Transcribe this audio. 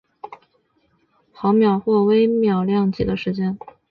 整个二次击穿过程只需要毫秒或微秒量级的时间就可以完成。